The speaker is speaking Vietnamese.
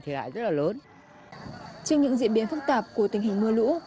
trên những diễn biến phức tạp của tình hình mưa lũ